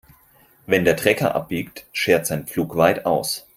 Wenn der Trecker abbiegt, schert sein Pflug weit aus.